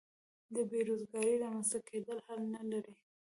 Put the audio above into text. د بې روزګارۍ رامینځته کېدل حل نه لري.